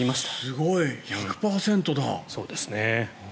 すごい。１００％だ。